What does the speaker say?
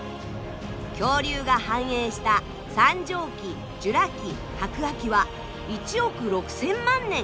恐竜が繁栄した三畳紀ジュラ紀白亜紀は１億６，０００万年。